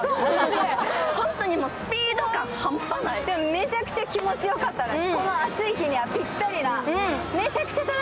めちゃくちゃ気持ちよかったです。